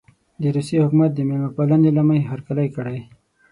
د روسیې حکومت د مېلمه پالنې له مخې هرکلی کړی.